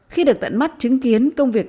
khi được tận mắt chứng kiến công việc